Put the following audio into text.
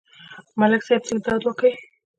ملک صاحب تل دا دعا کوي